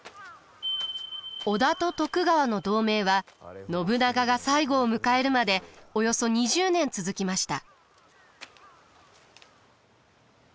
織田と徳川の同盟は信長が最期を迎えるまでおよそ２０年続きました。